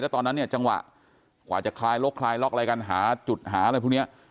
ตอนนั้นเนี่ยจังหวะกว่าจะคลายลกคลายล็อกอะไรกันหาจุดหาอะไรพวกนี้